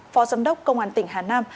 phó giám đốc công an tỉnh hà nam